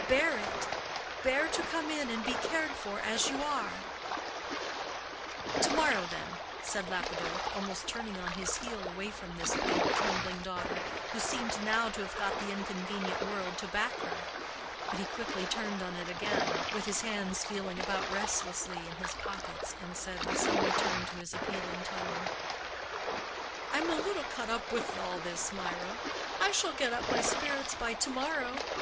Bear it. Bear to come in and be cared for as you are." "To morrow, then," said Lapidoth, almost turning on his heel away from this pale, trembling daughter, who seemed now to have got the inconvenient world to back her; but he quickly turned on it again, with his hands feeling about restlessly in his pockets, and said, with some return to his appealing tone, "I'm a little cut up with all this, Mirah. I shall get up my spirits by to morrow.